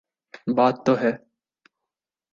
بات تو ہے۔